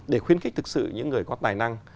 để khuyến khích thực sự những người có tài năng